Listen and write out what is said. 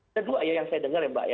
ada dua ya yang saya dengar ya mbak